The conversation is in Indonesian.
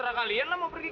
harusnya saya terses stuart